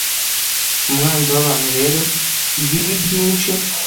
Umwanzi wabantu rero ibibi byinshi